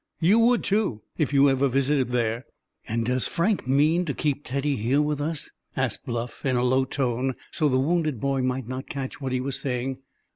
You would too, if you ever visited there." "And does Frank mean to keep Teddy here with us?" asked Bluff, in a low tone, so the wounded boy might not catch what he was saying.